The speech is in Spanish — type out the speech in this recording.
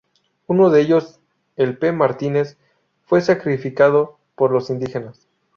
Uno de ellos, el P. Martínez, fue sacrificado por los indígenas.